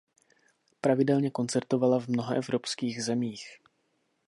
Pravidelně koncertovala v mnoha evropských zemích.